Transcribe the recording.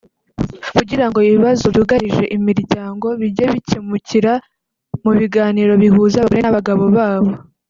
kugirango ibibazo byugarije imiryango bijye bikemukira mu biganiro bihuza abagore n’abagabo babo